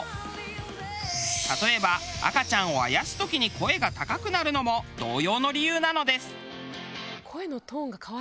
例えば赤ちゃんをあやす時に声が高くなるのも同様の理由なのです。